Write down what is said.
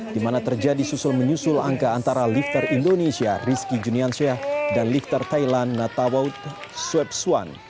di mana terjadi susul menyusul angka antara lifter indonesia rizky juniansyah dan lifter thailand natawaud swepswan